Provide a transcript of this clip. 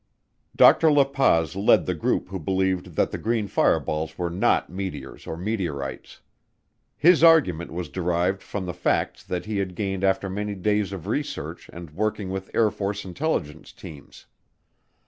Dr. La Paz led the group who believed that the green fireballs were not meteors or meteorites. His argument was derived from the facts that he had gained after many days of research and working with Air Force intelligence teams.